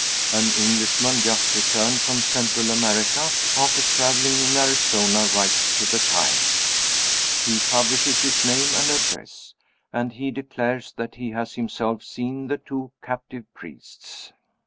An Englishman just returned from Central America, after traveling in Arizona, writes to the Times. He publishes his name and address and he declares that he has himself seen the two captive priests.